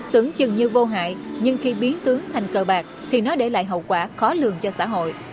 tưởng chừng như vô hại nhưng khi biến tướng thành cờ bạc thì nó để lại hậu quả khó lường cho xã hội